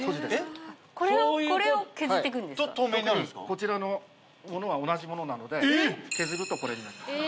こちらのものが同じものなので削るとこれになります。